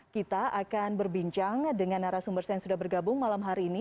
kita akan berbincang dengan narasumber saya yang sudah bergabung malam hari ini